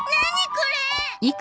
これ！